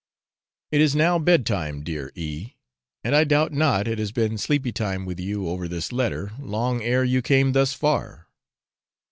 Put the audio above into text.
It is now bed time, dear E , and I doubt not it has been sleepy time with you over this letter, long ere you came thus far.